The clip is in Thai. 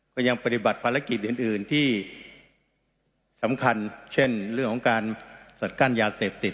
ก็ยังปฏิบัติภารกิจอื่นที่สำคัญเช่นเรื่องของการสัดกั้นยาเสพติด